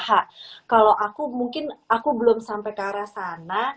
hah kalau aku mungkin aku belum sampai ke arah sana